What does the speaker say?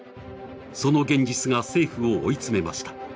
その現実が政府を追い詰めました。